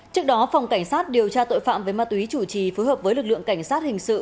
trước đó phòng cảnh sát điều tra tội phạm về ma túy chủ trì phối hợp với lực lượng cảnh sát hình sự